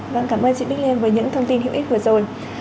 vâng cảm ơn chị đức lê với những thông tin hữu ích vừa rồi